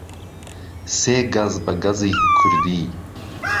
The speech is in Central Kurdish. سێ گهز به گهزی کوردی